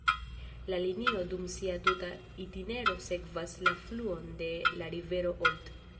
La linio dum sia tuta itinero sekvas la fluon de la rivero Olt.